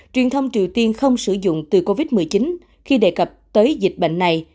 truyền thông triều tiên không sử dụng từ covid một mươi chín khi đề cập tới dịch bệnh này